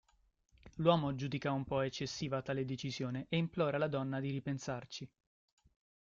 L'uomo giudica un po' eccessiva tale decisione e implora la donna di ripensarci.